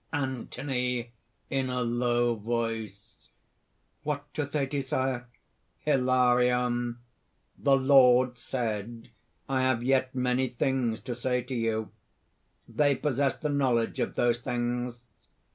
_) ANTHONY (in a low voice). "What do they desire?" HILARION. "The Lord said: 'I have yet many things to say to you.... ' They possess the knowledge of those things."